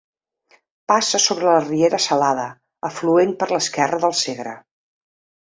Passa sobre la riera Salada, afluent per l'esquerra del Segre.